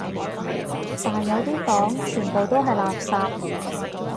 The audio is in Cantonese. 但有啲黨全部都係垃圾